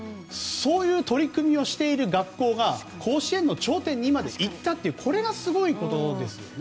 そういう取り組みをしている学校が甲子園の頂点に行ったということがすごいですよね。